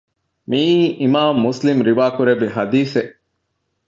މިއީ އިމާމު މުސްލިމު ރިވާކުރެއްވި ޙަދީޘެއް